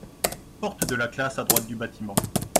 Porte de la classe à droite du bâtiment.